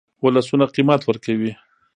ولسونه قیمت ورکوي.